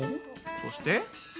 そして？